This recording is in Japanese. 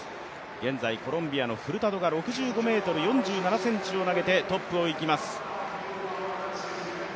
現在コロンビアのフルタドが６５ｍ４７ｃｍを投げてトップをいきます。